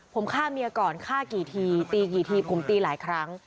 ผมฆ่าเมียก่อนฆ่ากี่ทีตีกี่ทีผมตีหลายครั้ง